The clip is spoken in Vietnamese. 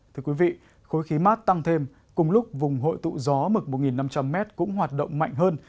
thưa quý vị khối khí mát tăng thêm cùng lúc vùng hội tụ gió mực một năm trăm linh m cũng hoạt động mạnh hơn